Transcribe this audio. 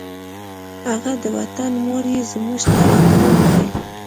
هغه د وطنه مور یې زموږ ترانه وویله